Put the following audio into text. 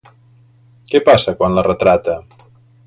Què passa quan la retrata?